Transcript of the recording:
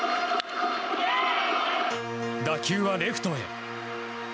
打球はレフトへ。